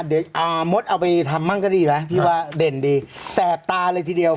เดี๋ยวมดเอาไปทำบ้างก็ดีนะพี่ว่าเด่นดีแสบตาเลยทีเดียว